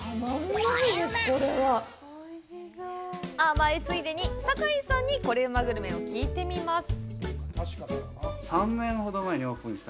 甘えついでに、酒井さんにコレうまグルメを聞いてみます。